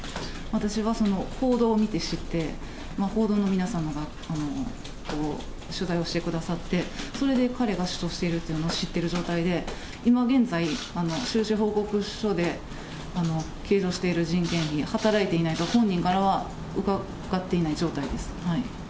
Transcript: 私は報道を見て知って、報道の皆さんが取材をしてくださって、それで彼が主張しているっていうのは、知っている状態で、今現在、収支報告書で計上している人件費、働いていないと、本人からは伺っていない状態です。